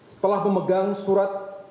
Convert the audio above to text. setelah memegang surat